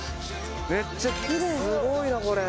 めっちゃすごいなこれ。